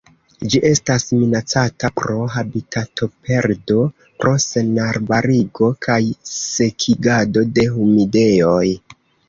Ĝi estas minacata pro habitatoperdo pro senarbarigo kaj sekigado de humidejoj.